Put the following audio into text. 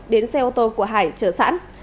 đến xe ô tô của hải chở sẵn